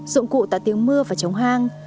dụng cụ tạo tiếng mưa và chống hang